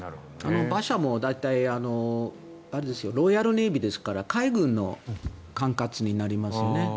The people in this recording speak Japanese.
馬車もロイヤルネイビーですから海軍の管轄になりますね。